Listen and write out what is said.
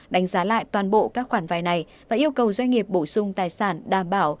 đánh giá lại toàn bộ các khoản vai này và yêu cầu doanh nghiệp bổ sung tài sản đảm bảo